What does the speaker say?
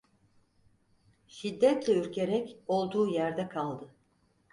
Şiddetle ürkerek olduğu yerde kaldı.